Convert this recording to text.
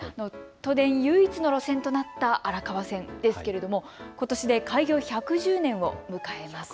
都電唯一の路線となった荒川線ですけれどもことしで開業１１０年を迎えます。